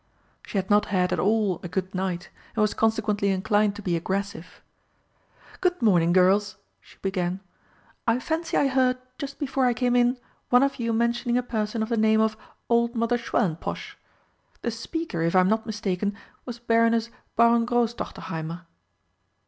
She had not had at all a good night, and was consequently inclined to be aggressive. "Good morning, girls," she began, "I fancy I heard, just before I came in, one of you mentioning a person of the name of 'Old Mother Schwellenposch.' The speaker, if I'm not mistaken, was Baroness Bauerngrosstochterheimer."